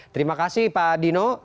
terima kasih pak dino